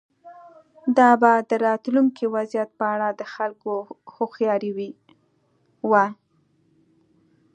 دا به د راتلونکي وضعیت په اړه د خلکو هوښیاري وه.